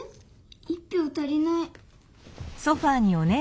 １ぴょう足りない。